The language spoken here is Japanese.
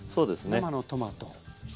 生のトマト。